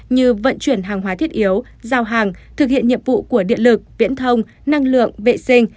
như vận chuyển hàng hóa thiết yếu giao hàng thực hiện nhiệm vụ của điện lực viễn thông năng lượng vệ sinh